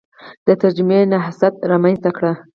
د ترجمې نهضت رامنځته کړ